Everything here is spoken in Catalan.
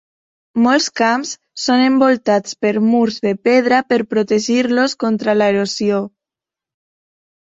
Molts camps són envoltats per murs de pedra per protegir-los contra l'erosió.